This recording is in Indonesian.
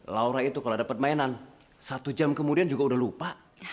laura itu kalau dapat mainan satu jam kemudian juga udah lupa